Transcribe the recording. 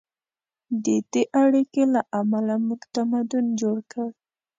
د دې اړیکې له امله موږ تمدن جوړ کړ.